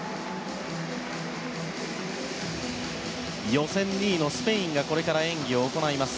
予選２位のスペインがこれから演技を行います。